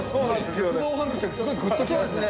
鉄道ファンとしてはすごいグッときますね。